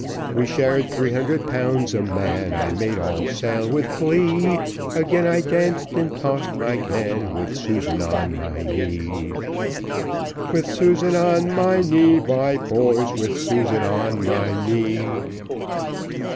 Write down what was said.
We shared three hundred pounds a man, I made all sail with glee, Again I danced and tossed my can, With Susan on my knee. Chorus. With Susan on my knee, my boys, With Susan on my knee.